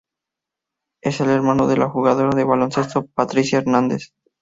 Es el hermano de la jugadora de baloncesto Patricia Hernández.